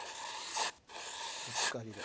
ブツカリで。